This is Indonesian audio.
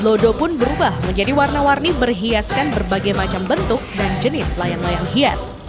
lodo pun berubah menjadi warna warni berhiaskan berbagai macam bentuk dan jenis layang layang hias